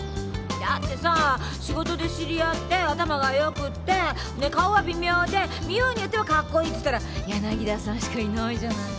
だってさ仕事で知り合って頭がよくてで顔は微妙で見ようによってはかっこいいって言ったら柳田さんしかいないじゃない。